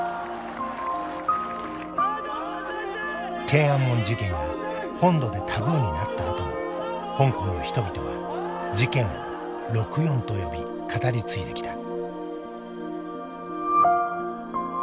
天安門事件が本土でタブーになったあとも香港の人々は事件を「六四」と呼び語り継いできた。